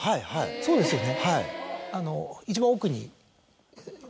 そうですよね。